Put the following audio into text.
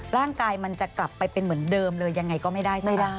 ร่างกายมันจะกลับไปเป็นเหมือนเดิมเลยยังไงก็ไม่ได้ใช่ไหม